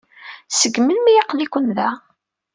Seg melmi ay aql-iken da?